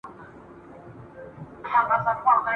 نور لا څه غواړې له ستوني د منصوره ..